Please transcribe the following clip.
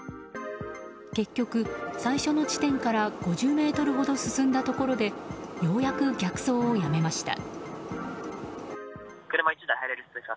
結局、最初の地点から５０ｍほど進んだところでようやく逆走をやめました。